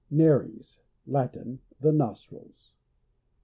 Nares. — Latin. The nostrils.